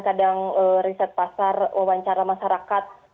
kadang riset pasar wawancara masyarakat